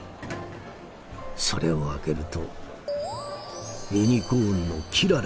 それを開けるとユニコーンのキララが待っている。